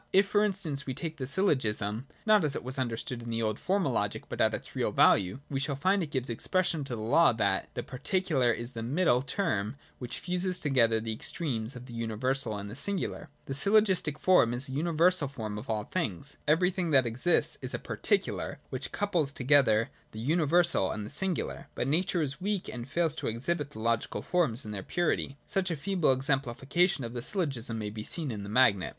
If for instance we take the syllogism (not as it was understood in the old formal logic, but at its real value), we shall find it gives expression to the law that the particular is the middle term which fuses together the extremes of the universal and the singular. The syllogistic form is a universal form of all things. Everything that exists is a particular, which Wouples together the universal and the singular. But Nature Is weak and fails to exhibit the logical forms in their purity. Such a feeble exemplification of the syllogism may be seen in the magnet.